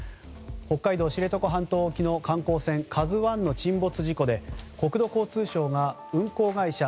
北海道知床半島沖の観光船「ＫＡＺＵ１」の沈没事故で国土交通省が運航会社